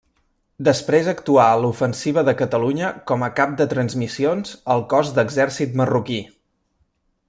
Després actuà a l'ofensiva de Catalunya com a cap de transmissions al Cos d'Exèrcit Marroquí.